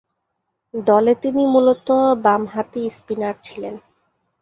দলে তিনি মূলতঃ বামহাতি স্পিনার ছিলেন।